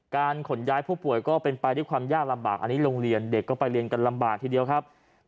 ขนย้ายผู้ป่วยก็เป็นไปด้วยความยากลำบากอันนี้โรงเรียนเด็กก็ไปเรียนกันลำบากทีเดียวครับ